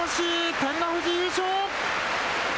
照ノ富士、優勝。